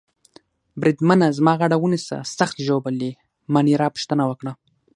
بریدمنه زما غاړه ونیسه، سخت ژوبل يې؟ مانیرا پوښتنه وکړه.